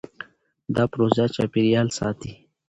دا پروژه چاپېریال ساتي.